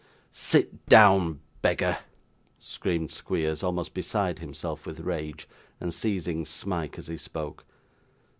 'Sit down, beggar!' screamed Squeers, almost beside himself with rage, and seizing Smike as he spoke.